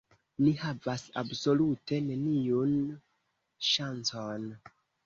Ni havas absolute neniun ŝancon.